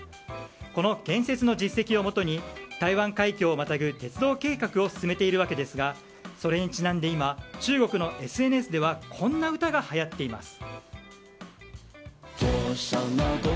この建設の実績をもとに台湾海峡をまたぐ鉄道計画を進めているわけですがそれにちなんで今、中国のＳＮＳではこんな歌がはやっています。